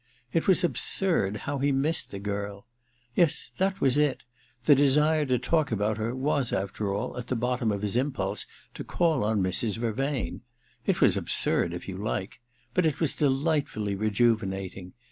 It was absurd, how he missed the girl. ... Yes, that was it : the desire to talk about her was, after all, at the bottom of his < THE DILETTANTE 269 impulse to call on Mrs. Vervain ! It was absurd, if you like ^ but it was delightfully rejuvenating.